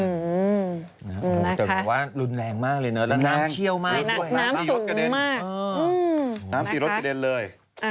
แต่เหมือนว่ารุนแรงมากเลยเนอะน้ำเชี่ยวมากน้ำสูงมากน้ำสีรสกระเด็นเลย